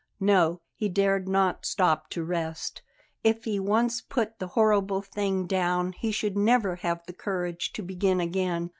No, he dared not stop to rest; if he once put the horrible thing down he should never have the courage to begin again.